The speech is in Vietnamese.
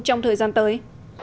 trong thời gian tới